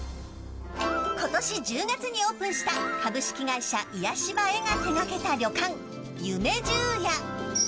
今年１０月にオープンした株式会社癒し場へが手がけた旅館夢十夜。